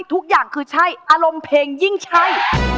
ทุกอย่างคือใช่อารมณ์เพลงยิ่งใช่